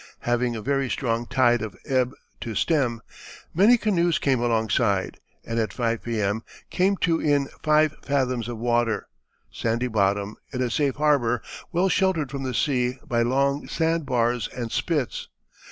Having a very strong tide of ebb to stem, many canoes came alongside, and at 5 P.M. came to in 5 fathoms of water, sandy bottom, in a safe harbour well sheltered from the sea by long sand bars and spits.